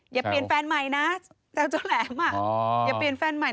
อย่าเปลี่ยนแฟนใหม่นะแซวโจ๊ะแหลมอ่ะ